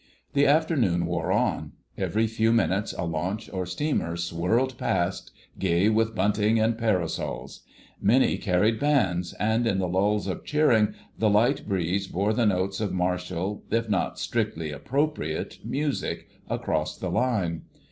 The afternoon wore on; every few minutes a launch or steamer swirled past, gay with bunting and parasols. Many carried bands, and in the lulls of cheering the light breeze bore the notes of martial, if not strictly appropriate, music across the line.